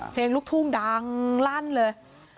เพลงลูกทุ่งดังลั่นเลย